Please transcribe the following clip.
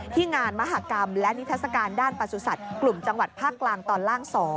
ที่งานมหากรรมและนิทัศกาลด้านประสุทธิ์กลุ่มจังหวัดภาคกลางตอนล่าง๒